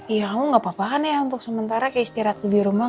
iya kamu gapapa kan ya untuk sementara kayak istirahat di rumah